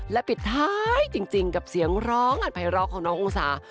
และปิดท้ายจริงกับเสียงร้องอัดภัยร็อกของน้ององศา